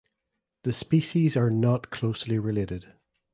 The species are not closely related.